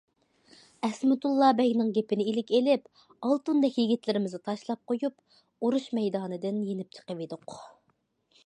ئەسمىتۇللا بەگنىڭ گېپىنى ئىلىك ئېلىپ، ئالتۇندەك يىگىتلىرىمىزنى تاشلاپ قويۇپ، ئۇرۇش مەيدانىدىن يېنىپ چىقىۋىدۇق.